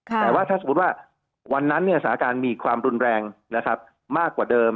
แต่ว่าถ้าสมมุติว่าวันนั้นสถานการณ์มีความรุนแรงนะครับมากกว่าเดิม